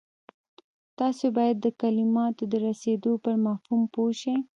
تاسې بايد د کلماتو د رسېدو پر مفهوم پوه شئ.